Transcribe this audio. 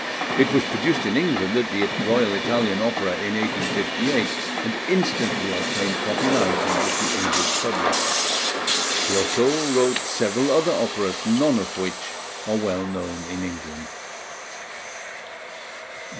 It was produced in England at the Royal Italian Opera in 1858, and instantly obtained popularity with the English public. Flotow wrote several other operas, none of which are well known in England.